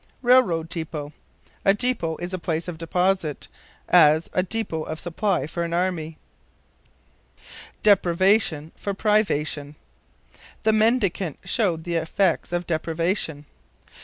"Railroad dépôt." A dépôt is a place of deposit; as, a dépôt of supply for an army. Deprivation for Privation. "The mendicant showed the effects of deprivation."